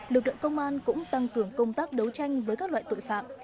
lực lượng công an cũng tăng cường công tác đấu tranh với các loại tội phạm